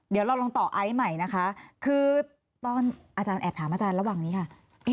เดี๋ยวเราลองต่อไอซ์ใหม่นะคะคือตอนอาจารย์แอบถามอาจารย์ระหว่างนี้ค่ะ